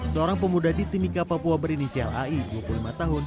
seorang pemuda di timika papua berinisial ai dua puluh lima tahun